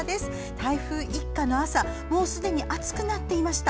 台風一過の朝もうすでに暑くなっていました。